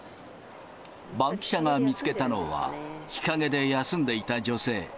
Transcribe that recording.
バンキシャが見つけたのは、日陰で休んでいた女性。